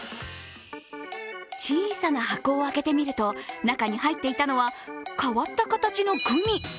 小さな箱を開けてみると、中に入っていたのは変わった形のグミ。